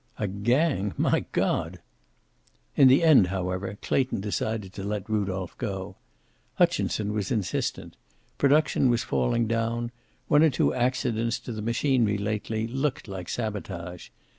"A gang! My God!" In the end, however, Clayton decided to let Rudolph go. Hutchinson was insistent. Production was falling down. One or two accidents to the machinery lately looked like sabotage.